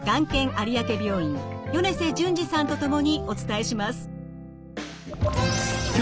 有明病院米瀬淳二さんと共にお伝えします。